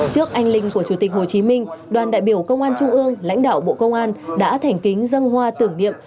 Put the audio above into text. trước anh linh của chủ tịch hồ chí minh đoàn đại biểu công an trung ương lãnh đạo bộ công an đã thảnh kính dân hoa tưởng niệm